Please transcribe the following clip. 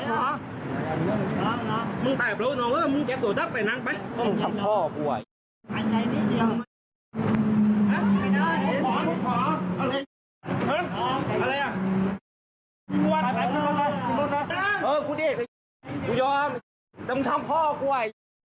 คุณปล่อยพ่อคุณเมื่อกี้ไอ้ไอ้โดยไม่ปล่อย